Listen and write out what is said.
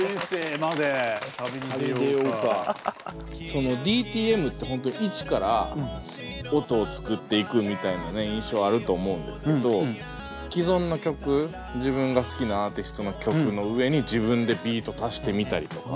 そのＤＴＭって本当一から音を作っていくみたいな印象あると思うんですけど既存の曲自分が好きなアーティストの曲の上に自分でビート足してみたりとか。